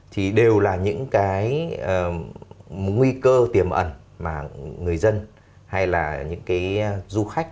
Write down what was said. thì đều là những cái nguy cơ tiềm ẩn mà người dân hay là những cái du khách